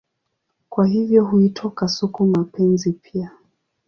Kwa hivyo huitwa kasuku-mapenzi pia.